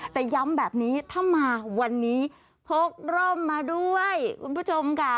แต่ย้ำแบบนี้ถ้ามาวันนี้พกร่มมาด้วยคุณผู้ชมค่ะ